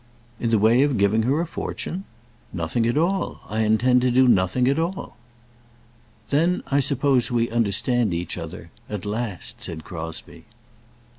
"In the way of giving her a fortune? Nothing at all. I intend to do nothing at all." "Then I suppose we understand each other, at last," said Crosbie.